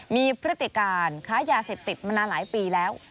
มีพฤติการค้ายาเสพติดมานานหลายปีแล้ว